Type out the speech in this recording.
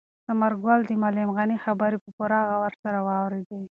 ثمرګل د معلم غني خبرې په پوره غور سره واورېدې.